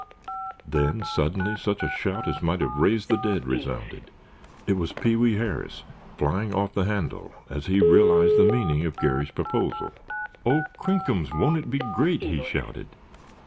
Then, suddenly, such a shout as might have raised the dead resounded. It was Pee wee Harris, flying off the handle, as he realized the meaning of Garry's proposal. "Oh, crinkums, won't it be great!" he shouted.